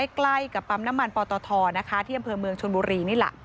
ใกล้กับปั๊มน้ำมันปตทนะคะที่อำเภอเมืองชนบุรีนี่แหละ